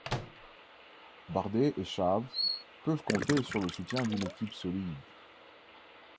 Bardet et Chaves peuvent compter sur le soutien d'une équipe solide.